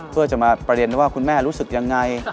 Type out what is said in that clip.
เพื่อจะมาประเด็นว่าคุณแม่รู้สึกยังไง